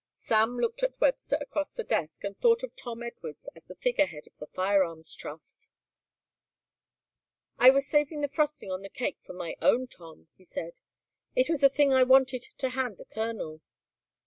Sam looked at Webster across the desk and thought of Tom Edwards as the figurehead of the firearms trust. "I was saving the frosting on the cake for my own Tom," he said; "it was a thing I wanted to hand the colonel."